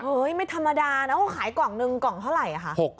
เฮ้ยไม่ธรรมดานะขายกล่องนึงกล่องเท่าไหร่ฮะ